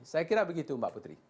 saya kira begitu mbak putri